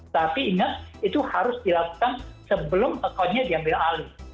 tapi ingat itu harus dilakukan sebelum akunnya diambil alih